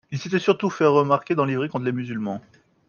Il s'était surtout fait remarquer dans livrées contre les musulmans.